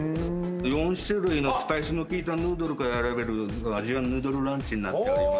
４種類のスパイスの効いたヌードルから選べるアジアンヌードルランチになっております。